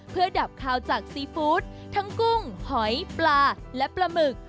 เพื่อดาบข้าวจากซีฟู๊ดทั้งกุ้งหอยปลาและประมือ